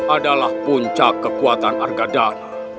adalah puncak kekuatan agadan